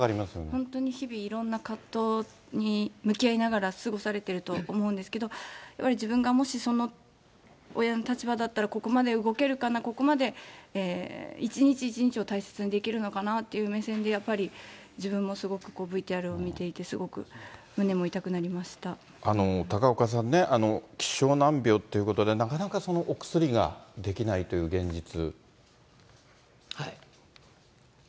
本当に日々、いろんな葛藤に向き合いながら過ごされてると思うんですけれども、やっぱり自分がもし、その親の立場だったら、ここまで動けるかな、ここまで一日一日を大切にできるのかなっていう目線でやっぱり、自分もすごく、ＶＴＲを見ていてすごく、高岡さんね、希少難病ということで、なかなかお薬ができないという現実。